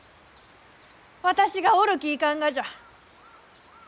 私がおるきいかんがじゃ！